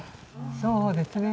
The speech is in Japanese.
そうですね。